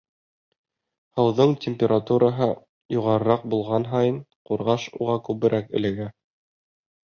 Һыуҙың температураһы юғарыраҡ булған һайын ҡурғаш уға күберәк эләгә.